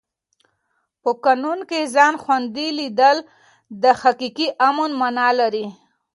په قانون کې ځان خوندي لیدل د حقیقي امن مانا لري.